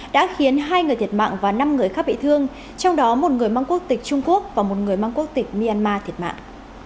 đã khiến hai người thiệt mạng và năm người khác bị thương trong đó một người mang quốc tịch trung quốc và một người mang quốc tịch myanmar thiệt mạng